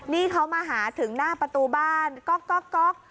นี่เขามาหาถึงหน้าประตูบ้านก๊อก